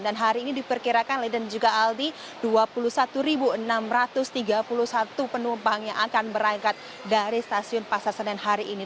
dan hari ini diperkirakan lady dan juga aldi dua puluh satu enam ratus tiga puluh satu penumpang yang akan berangkat dari stasiun pasar senen hari ini